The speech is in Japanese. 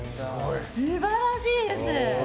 素晴らしいです。